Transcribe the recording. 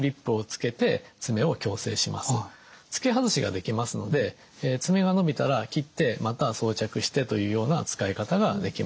付け外しができますので爪が伸びたら切ってまた装着してというような使い方ができます。